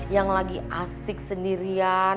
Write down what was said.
yang lagi asik sendirian